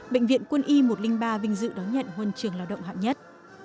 bệnh viện quân y một trăm linh ba vinh dự đón nhận huân trường lao động hạng nhất